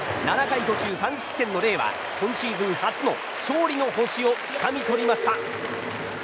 ７回途中３失点のレイは今シーズン初の勝利の星をつかみ取りました。